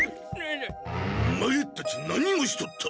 オマエたち何をしとった？